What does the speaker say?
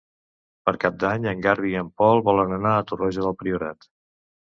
Per Cap d'Any en Garbí i en Pol volen anar a Torroja del Priorat.